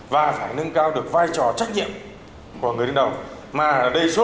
và phải nâng cao được vai trò trách nhiệm của người đứng đầu